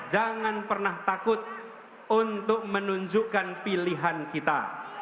jangan pernah takut untuk menunjukkan pilihan kita